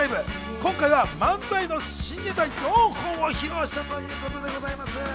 今回は漫才の新ネタ４本を披露したということでございます。